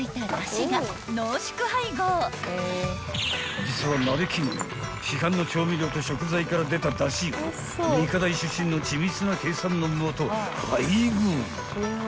［実は鍋キング市販の調味料と食材から出ただしを理科大出身の緻密な計算のもと配合］